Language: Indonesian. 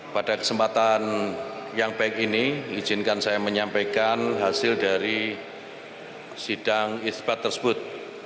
pada kesempatan yang baik ini izinkan saya menyampaikan hasil dari sidang isbat tersebut